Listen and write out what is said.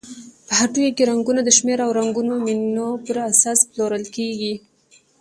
په هټیو کې رنګونه د شمېر او رنګونو مینو پر اساس پلورل کیږي.